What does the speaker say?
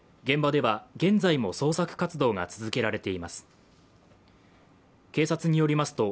現場では現在も捜索活動が続けられています。